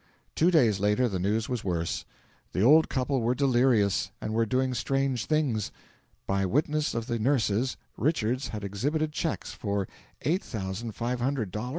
Two days later the news was worse. The old couple were delirious, and were doing strange things. By witness of the nurses, Richards had exhibited cheques for $8,500?